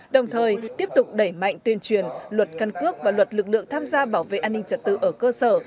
đồng thời tiếp tục đẩy mạnh tuyên truyền luật căn cước và luật lực lượng tham gia bảo vệ an ninh trật tự ở cơ sở